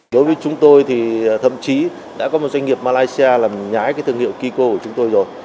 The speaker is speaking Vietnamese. đối với chúng tôi thì thậm chí đã có một doanh nghiệp malaysia làm nhái cái thương hiệu kiko của chúng tôi rồi